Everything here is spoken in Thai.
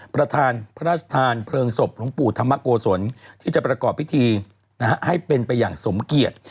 ประธานพระราชทานเพลิงศพหลวงปู่ธรรมโกศลที่จะประกอบพิธีให้เป็นไปอย่างสมเกียจ